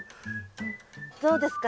どうですか？